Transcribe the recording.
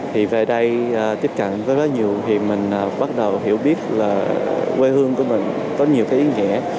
thì về đây tiếp cận với rất nhiều thì mình bắt đầu hiểu biết là quê hương của mình có nhiều cái ý nghĩa